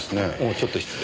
ちょっと失礼。